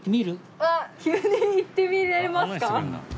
急に行ってみれますか？